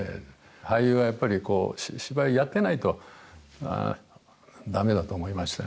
俳優はやっぱり芝居をやってないと、だめだと思いましたね。